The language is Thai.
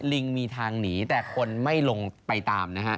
ลิงมีทางหนีแต่คนไม่ลงไปตามนะฮะ